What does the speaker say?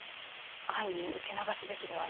安易に受け流すべきではありません。